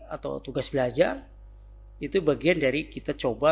atau tugas belajar itu bagian dari kita coba